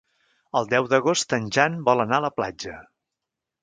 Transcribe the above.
El deu d'agost en Jan vol anar a la platja.